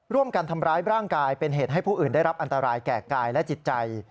ร่วมกันทำร้ายร่างกายเป็นเหตุให้ผู้อื่นได้รับอันตรายแก่กายและจิตใจ